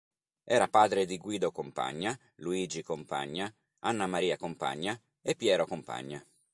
Era padre di Guido Compagna, Luigi Compagna, Annamaria Compagna e Piero Compagna.